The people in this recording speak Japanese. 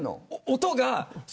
音が。